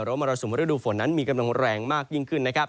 มรสุมฤดูฝนนั้นมีกำลังแรงมากยิ่งขึ้นนะครับ